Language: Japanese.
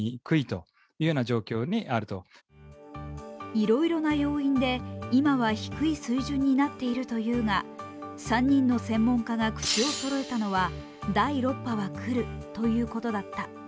いろいろな要因で今は低い水準になっているというが３人の専門家が口をそろえたのは、第６波は来るということだった。